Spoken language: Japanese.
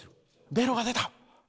ベロが出た！